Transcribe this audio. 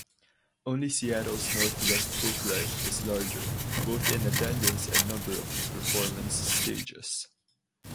Only Seattle's Northwest Folklife is larger, both in attendance and number of performance stages.